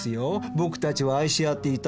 「僕たちは愛し合っていたんだ」